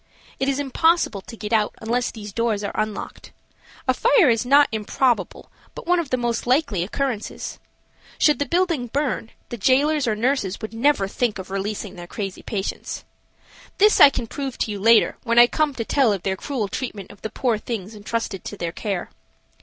It is impossible to get out unless these doors are unlocked. A fire is not improbable, but one of the most likely occurrences. Should the building burn, the jailers or nurses would never think of releasing their crazy patients. This I can prove to you later when I come to tell of their cruel treatment of the poor things intrusted to their care.